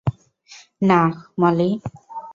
না, মলি।